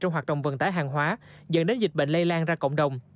trong hoạt động vận tải hàng hóa dẫn đến dịch bệnh lây lan ra cộng đồng